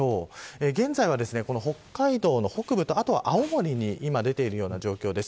現在は北海道の北部とあとは青森に今、出ている状況です。